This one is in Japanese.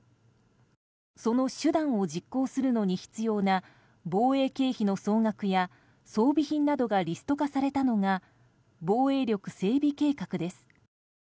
その手段を実行するのに必要な防衛経費の総額や装備品などがリスト化されたのが防衛力整備計画です。